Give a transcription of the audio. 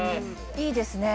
いいですね。